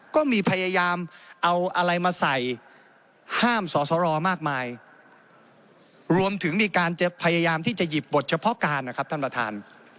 ก็มีพยายามเอาอะไรมาใส่ห้ามสอสรมากมายรวมถึงมีการจะพยายามที่จะหยิบบทเฉพาะการนะครับท่านประธาน